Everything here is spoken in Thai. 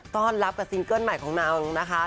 ต้อนรับกับซิงเกิ้ลใหม่ของนางนะคะ